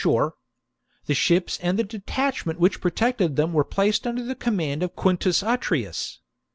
c. shore^/ The ships and the detachment which protected them were placed under the command of Quintus Atrius.